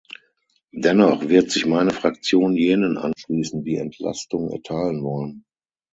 Dennoch wird sich meine Fraktion jenen anschließen, die Entlastung erteilen wollen.